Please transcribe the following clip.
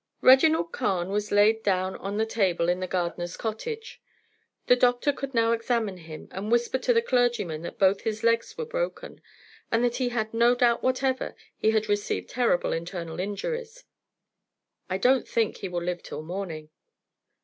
Reginald Carne was laid down on the table in the gardener's cottage. The doctor could now examine him, and whispered to the clergyman that both his legs were broken, and that he had no doubt whatever he had received terrible internal injuries. "I don't think he will live till morning."